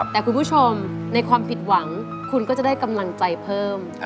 แต่คุณผู้ชมในความผิดหวังคุณก็จะได้กำลังใจเพิ่ม